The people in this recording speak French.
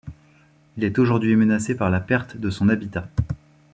Il est aujourd'hui menacé par la perte de son habitat.